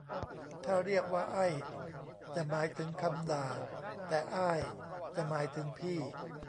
ถ้าเรียกว่าไอ้ จะหมายถึงคำด่า แต่อ้ายจะหมายถึงพี่